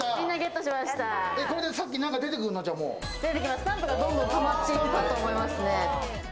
スタンプがどんどんたまっていくと思いますね。